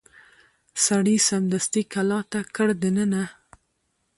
سړي سمدستي کلا ته کړ دننه